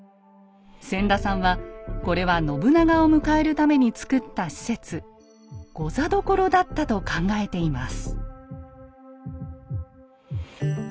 千田さんはこれは信長を迎えるために造った施設「御座所」だったと考えています。